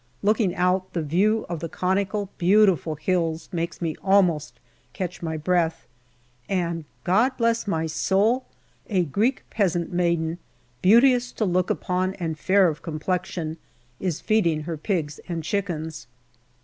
Looking out, the view of the conical beautiful hills makes me almost catch my breath, and, God bless my soul ! a Greek peasant maiden, beauteous to look upon and fair of complexion, is feeding her pigs and chickens.